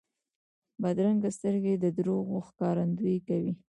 بدرنګه سترګې د دروغو ښکارندویي کوي